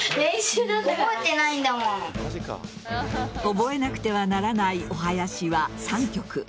覚えなくてはならないおはやしは３曲。